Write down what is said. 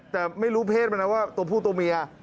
แต่ไม่รู้เพศมานะว่าตัวผู้ตัวเมีย